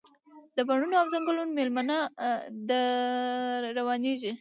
د بڼوڼو او ځنګلونو میلمنه ده، روانیږي